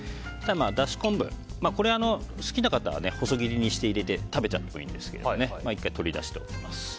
だし昆布、これは好きな方は細切りにして入れて食べちゃってもいいですけど１回、取り出しておきます。